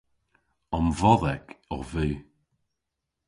Omvodhek ov vy.